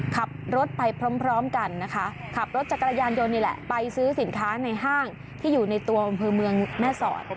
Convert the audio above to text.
ขับรถไปพร้อมกันนะคะขับรถจักรยานยนต์นี่แหละไปซื้อสินค้าในห้างที่อยู่ในตัวอำเภอเมืองแม่สอด